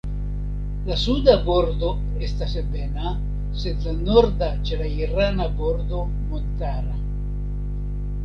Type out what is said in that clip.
La suda bordo estas ebena, sed la norda ĉe la irana bordo montara.